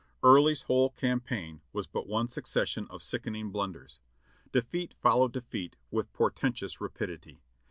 Early's whole campaign was but one succession of sickening blunders. Defeat followed defeat with portentous rapidity.